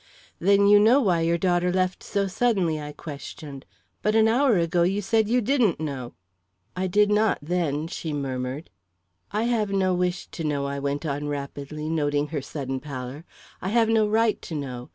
"Then you know why your daughter left so suddenly?" I questioned. "But an hour ago, you said you didn't know." "I did not then," she murmured. "I have no wish to know," I went on rapidly, noting her sudden pallor. "I have no right to know.